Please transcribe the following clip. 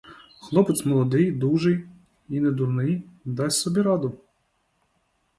Хлопець молодий, дужий, і не дурний, дасть собі раду.